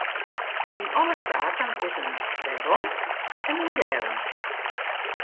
Yn alle saken is in wêrom en in dêrom.